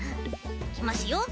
いきますよ。